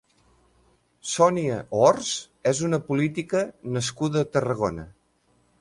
Sonia Orts és una política nascuda a Tarragona.